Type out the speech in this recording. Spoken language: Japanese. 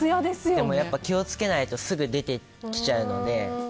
でも気を付けないとすぐ出てきちゃうので。